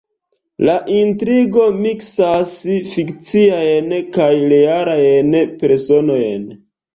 La intrigo miksas fikciajn kaj realajn personojn.